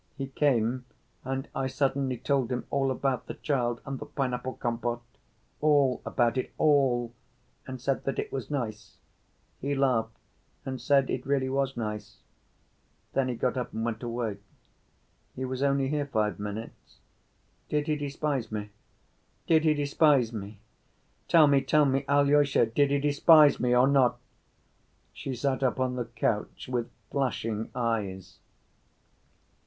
He came and I suddenly told him all about the child and the pineapple compote. All about it, all, and said that it was nice. He laughed and said it really was nice. Then he got up and went away. He was only here five minutes. Did he despise me? Did he despise me? Tell me, tell me, Alyosha, did he despise me or not?" She sat up on the couch, with flashing eyes.